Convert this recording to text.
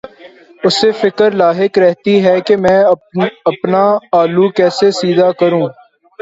اسے فکر لاحق رہتی ہے کہ میں اپنا الو کیسے سیدھا کروں۔